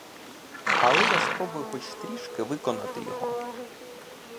Але я спробую хоч трішки виконати його.